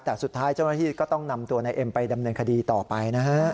แต่สุดท้ายเจ้าหน้าที่ก็ต้องนำตัวนายเอ็มไปดำเนินคดีต่อไปนะฮะ